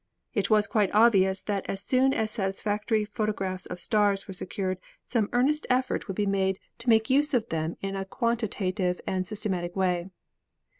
It was quite obvious that as soon as satisfactory pho tographs of the stars were secured some earnest effort 44 ASTRONOMY would be made to make use of them in a quantitative and systematic way.